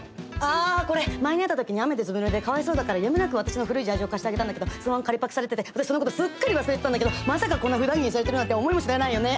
あこれ前に会った時に雨でずぶぬれでかわいそうだからやむなく私の古いジャージを貸してあげたんだけどそのまま借りパクされてて私そのことすっかり忘れてたんだけどまさかこんなふだん着にされてるなんて思いもしないよね。